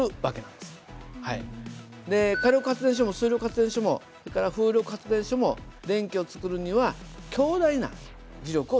で火力発電所も水力発電所もそれから風力発電所も電気を作るには強大な磁力を使ってます。